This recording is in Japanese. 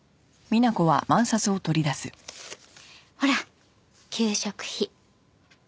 ほら給食費。